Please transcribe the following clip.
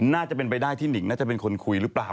น่าจะเป็นไปได้ที่หนิงน่าจะเป็นคนคุยหรือเปล่า